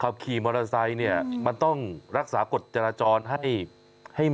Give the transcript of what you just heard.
ขับขี่มอเตอร์ไซค์เนี่ยมันต้องรักษากฎจราจรให้ให้